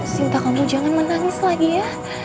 cinta kamu jangan menangis lagi ya